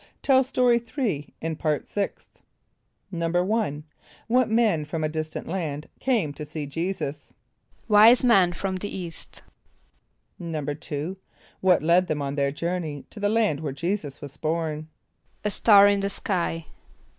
(Tell Story 3 in Part Sixth.) =1.= What men from a distant land came to see J[=e]´[s+]us? =Wise men from the east.= =2.= What led them on their journey to the land where J[=e]´[s+]us was born? =A star in the sky.